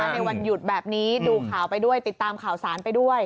ในวันหยุดแบบนี้ดูข่าวไปด้วยติดตามข่าวสารไปด้วย